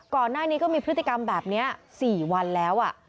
ก่อนหน้านี้ก็มีพฤติกรรมแบบนี้๔วันแล้ว